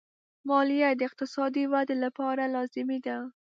مالیه د اقتصادي ودې لپاره لازمي ده.